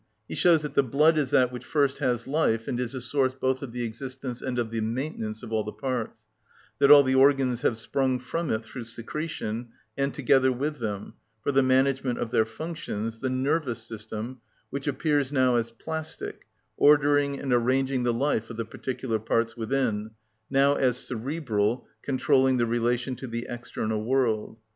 He shows that the blood is that which first has life and is the source both of the existence and of the maintenance of all the parts; that all the organs have sprung from it through secretion, and together with them, for the management of their functions, the nervous system, which appears now as plastic, ordering and arranging the life of the particular parts within, now as cerebral, controlling the relation to the external world.